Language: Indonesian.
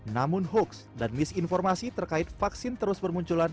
namun hoax dan misinformasi terkait vaksin terus bermunculan